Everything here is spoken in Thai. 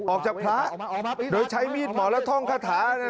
ออกจากพระโดยใช้มีดหมอและท่องคาถา